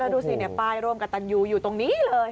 ดูสิป้ายร่วมกับตันยูอยู่ตรงนี้เลย